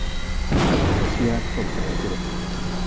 A tecnoloxía contra a natureza.